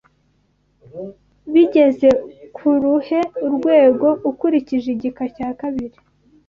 Bigeze kuruhe urwego ukurikije igika cya kabiri